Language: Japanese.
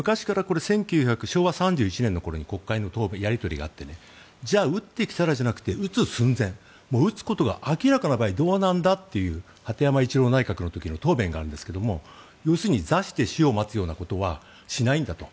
昭和３１年の時に国会のやり取りがあってじゃあ撃ってきたらじゃなくて撃つ寸前撃つことが明らかな場合どうなんだという鳩山一郎内閣の時の答弁があるんですが座して死を待つようなことはしないんだと。